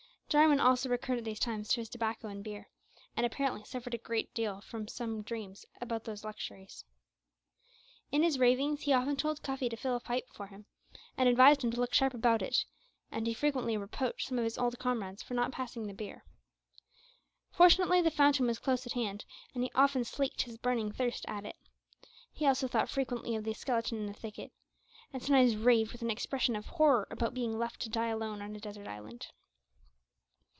Jarwin also recurred at these times to his tobacco and beer, and apparently suffered a good deal from dreams about those luxuries. In his ravings he often told Cuffy to fill a pipe for him, and advised him to look sharp about it, and he frequently reproached some of his old comrades for not passing the beer. Fortunately the fountain was close at hand, and he often slaked his burning thirst at it. He also thought frequently of the skeleton in the thicket, and sometimes raved with an expression of horror about being left to die alone on a desert island.